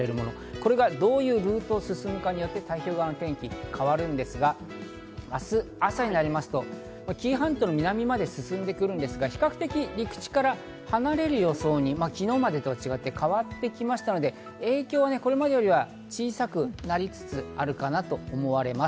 これがどういうルートを進むかによって天気が変わるんですが、明日、朝になりますと紀伊半島の南まで進んでくるんですが比較的、陸地から離れる予想に昨日までとは違って変わってきましたので、影響がこれまでよりは小さくなりつつあるかなと思われます。